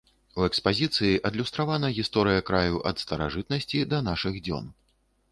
У экспазіцыі адлюстравана гісторыя краю ад старажытнасці да нашых дзён.